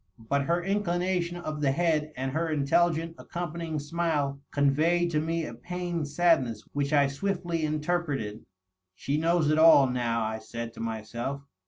But her in clination of the head and her intelligent accompanying smile conveyed to me a pained sadness which I swiftly interpreted. ^ She knows it all, now,' I said to myself.